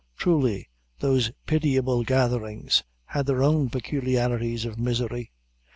Truly, those pitiable gatherings had their own peculiarities of misery.